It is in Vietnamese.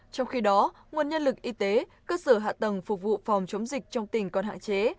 trong khi đó nguồn nhân lực y tế cơ sở hạ tầng phục vụ phòng chống dịch trong tỉnh còn hạn chế